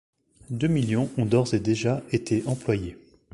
Deux millions ont d’ores et déjà été employés.